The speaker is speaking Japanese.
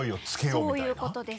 そういうことです。